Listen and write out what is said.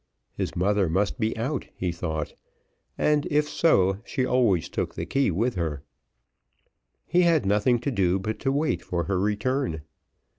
His mother must be out, he thought; and if so, she always took the key with her. He had nothing to do but to wait for her return.